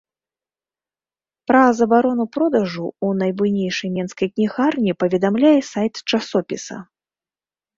Пра забарону продажу ў найбуйнейшай менскай кнігарні паведамляе сайт часопіса.